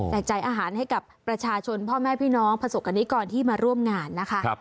จ่ายอาหารให้กับประชาชนพ่อแม่พี่น้องประสบกรณิกรที่มาร่วมงานนะคะ